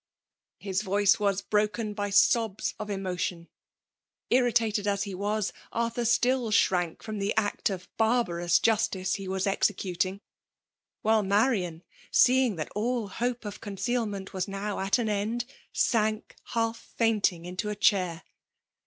'* His voice was broken by sobs of emotion. Irritated as he was, Ai*thur still shrank from the act of barbarous justice he was executing; while Marian, seeing that all hope of conceal ment was now at an end, sank half fainting into a chair.